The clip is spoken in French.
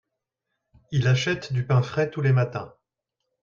il achète du pain frais tous les matins.